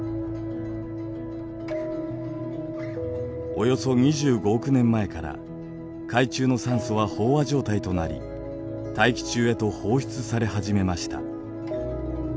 およそ２５億年前から海中の酸素は飽和状態となり大気中へと放出され始めました。